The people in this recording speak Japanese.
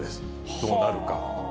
どうなるか。